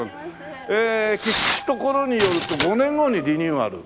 聞くところによると５年後にリニューアル？